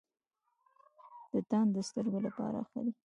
توتان د سترګو لپاره ښه دي.